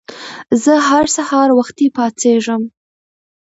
زه هر سهار وختي پاڅېږم.